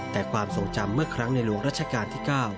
แต่ความทรงจำเมื่อครั้งในหลวงรัชกาลที่๙